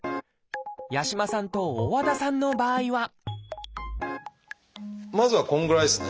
八嶋さんと大和田さんの場合はまずはこんぐらいですね。